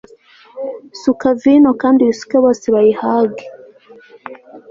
suka vino! kandi uyisuke bose bayihage